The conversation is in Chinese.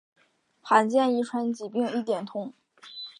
罕见遗传疾病一点通